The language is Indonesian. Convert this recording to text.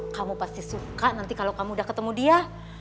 kamu pasti suka nanti kalau kamu udah ketemu dia